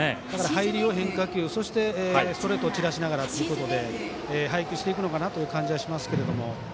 入りは変化球それからストレートを散らしながらということで配球していくのかなという感じがしますけれども。